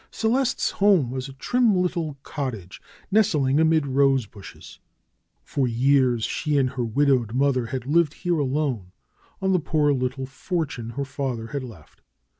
Celeste's home was a trim little cottage nestling amid rose bushes. For years she and her widowed mother had lived here alone, on the poor little fortune her father had left.